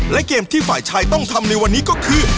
และเกมที่ฝ่ายชายต้องทำในวันนี้ก็คือ